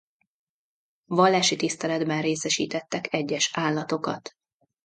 Vallási tiszteletben részesítettek egyes állatokat.